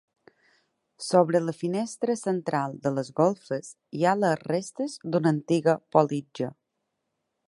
Sobre la finestra central de les golfes, hi ha les restes d'una antiga politja.